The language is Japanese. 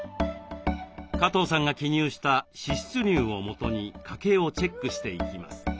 加藤さんが記入した支出入をもとに家計をチェックしていきます。